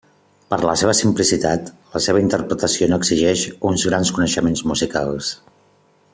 Per la seva simplicitat, la seva interpretació no exigeix uns grans coneixements musicals.